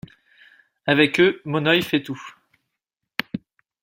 Avecques eux monnoye faict tout.